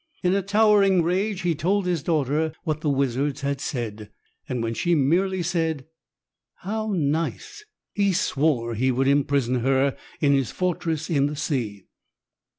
In a towering rage, he told his daughter what the wizards had said, and when she merely said, "How nice," he swore he would imprison her in his fortress in the sea.